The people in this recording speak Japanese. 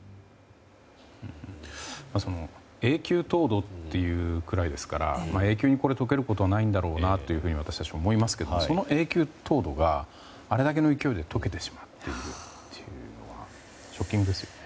永久凍土というくらいですから、永久に解けることはないんだろうなと私たちは思いますがその永久凍土があれだけの勢いで解けてしまっているというのは衝撃ですよね。